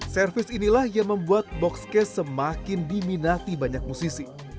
servis inilah yang membuat boxcase semakin diminati banyak musisi